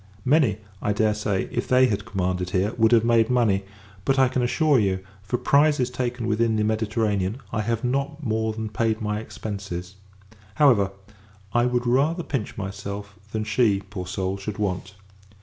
Many, I dare say, if they had commanded here, would have made money; but, I can assure you, for prizes taken within the Mediterranean, I have not more than paid my expences. However, I would rather pinch myself, than she, poor soul, should want.